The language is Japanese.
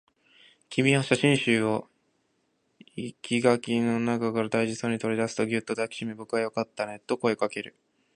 君は写真集を生垣の中から大事そうに取り出すと、ぎゅっと抱きしめ、僕はよかったねと声をかける